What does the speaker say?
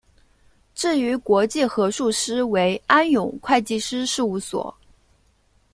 至于国际核数师为安永会计师事务所。